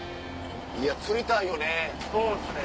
いや釣りたいよね。